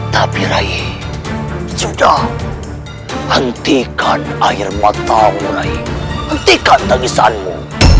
tapi rai sudah hentikan air mata mu rai hentikan dengisanmu